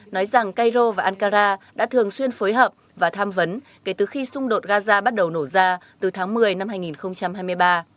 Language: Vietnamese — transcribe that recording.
nói rằng cairo và ankara đã thường xuyên phối hợp và tham vấn kể từ khi xung đột gaza bắt đầu nổ ra từ tháng một mươi năm hai nghìn hai mươi ba